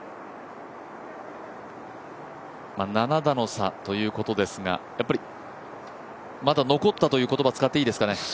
７打の差ということですが残ったという言葉使っていいですかね。